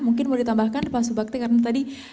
mungkin mau ditambahkan pak subakti karena tadi